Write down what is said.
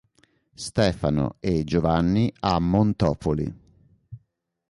Stefano e Giovanni a Montopoli.